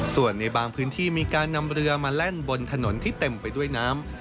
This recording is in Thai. ส่วนในบางพื้นที่มีการนำเรือมาแล่นบนถนนที่เต็มไปด้วยน้ำ